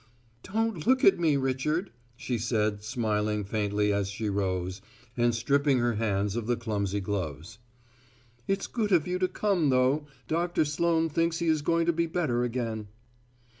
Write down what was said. "Don't look at me, Richard," she said, smiling faintly as she rose, and stripping her hands of the clumsy gloves. "It's good of you to come, though. Doctor Sloane thinks he is going to be better again."